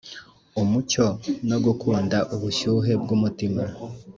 umucyo no gukunda ubushyuhe bwumutima,